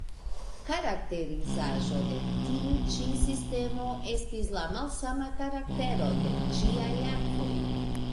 Karakterizaĵo de tiu ĉi sistemo estis la malsama karaktero de ĝiaj akvoj.